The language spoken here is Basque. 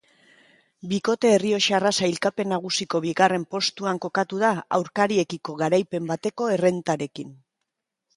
Bikote errioxarra sailkapen nagusiko bigarren postuan kokatu da aurkariekiko garaipen bateko errentarekin.